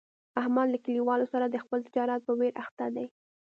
احمد له کلیوالو سره د خپل تجارت په ویر اخته دی.